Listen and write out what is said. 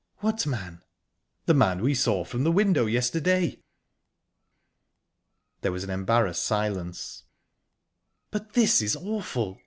"What man?" "The man we saw from the window yesterday." There was an embarrassed silence. "But this is awful!"